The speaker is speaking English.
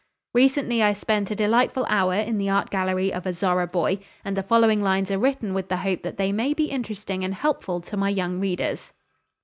Recently I spent a delightful hour in the art gallery of a Zorra boy, and the following lines are written with the hope that they may be interesting and helpful to my young readers.